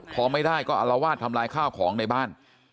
พอไม่ได้ก็อารวาสทำลายข้าวของในบ้าน